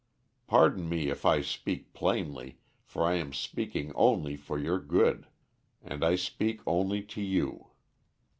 Pardon me if I speak plainly, for I am speaking only for your good and I speak only to you.